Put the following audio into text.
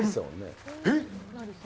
えっ？